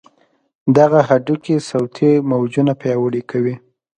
دغه هډوکي صوتي موجونه پیاوړي کوي.